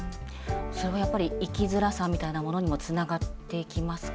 それはやっぱり生きづらさみたいなものにもつながってきますか？